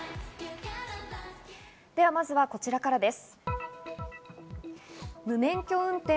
では、まずはこちらからです。